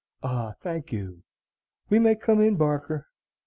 Ah, thank you. We may come in, Barker."